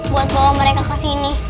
buat bawa mereka kesini